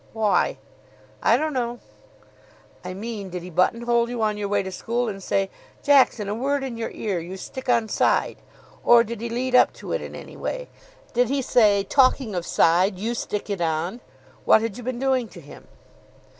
"Why?" "I don't know." "I mean, did he buttonhole you on your way to school, and say, 'Jackson, a word in your ear. You stick on side.' Or did he lead up to it in any way? Did he say, 'Talking of side, you stick it on.' What had you been doing to him?"